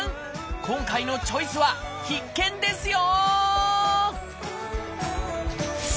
今回の「チョイス」は必見ですよ！